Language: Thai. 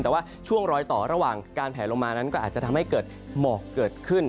เช่นก็คิดว่าช่วงรอยตอระหว่างการแผลลงมานะนังนั้นก็อาจจะทำให้เกิดเหมาะเกิดขึ้น